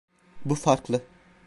Bu farklı.